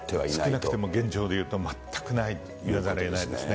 少なくとも現状で言うと、全くないと言わざるをえないですね。